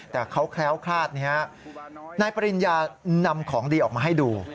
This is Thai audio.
แต่เขาแคล้วคลาดนายปริญญานำของดีออกมาให้ดู